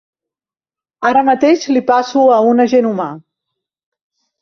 Ara mateix li passo a un agent humà.